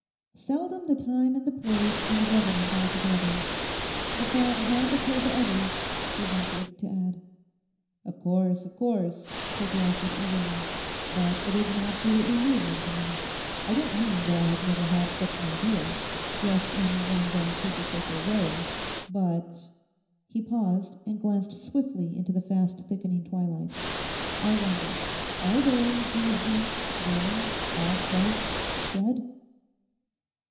'Seldom the time and the place and the revenant altogether. The thought has occurred to others,' he ventured to add. 'Of course, of course,' said Lawford eagerly. 'But it is an absolutely new one to me. I don't mean that I have never had such an idea, just in one's own superficial way; but'—he paused and glanced swiftly into the fast thickening twilight—'I wonder: are they, do you think, really, all quite dead?